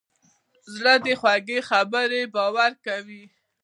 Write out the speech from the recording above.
زړه د خوږې خبرې باور کوي.